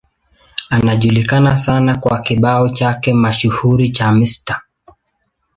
Anajulikana sana kwa kibao chake mashuhuri cha Mr.